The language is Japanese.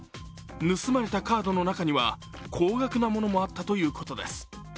盗まれたカードの中には高額のものもあったということです。